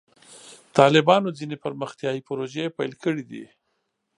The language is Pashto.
طالبانو ځینې پرمختیایي پروژې پیل کړې دي.